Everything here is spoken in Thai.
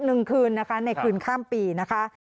นึงคืนในคืนข้ามปีนะคะ